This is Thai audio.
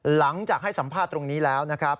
หลังจากให้สัมภาษณ์ตรงนี้แล้วนะครับ